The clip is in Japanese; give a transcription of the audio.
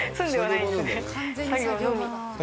作業のみ。